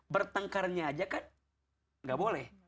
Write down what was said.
bertengkarnya aja kan nggak boleh